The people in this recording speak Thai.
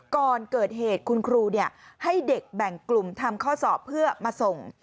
ก่อนเกิดเหตุคุณครูให้เด็กแบ่งกลุ่มทำข้อสอบเพื่อมาส่ง